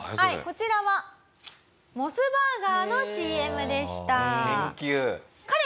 こちらはモスバーガーのＣＭでした。